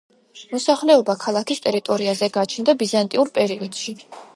მოსახლეობა ქალაქის ტერიტორიაზე გაჩნდა ბიზანტიურ პერიოდში.